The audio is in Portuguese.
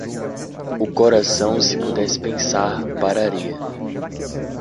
O coração, se pudesse pensar, pararia.